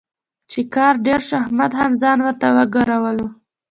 چې کار ډېر شو، احمد هم ځان ورته وګرولو.